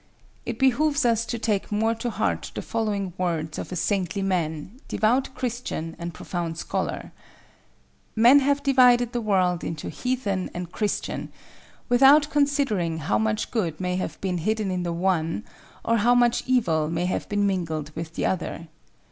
It behooves us to take more to heart the following words of a saintly man, devout Christian and profound scholar:—"Men have divided the world into heathen and Christian, without considering how much good may have been hidden in the one, or how much evil may have been mingled with the other.